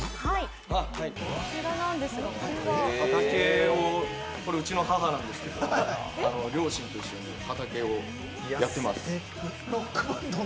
畑を、これうちの母なんですけど、両親と一緒に畑をやってます。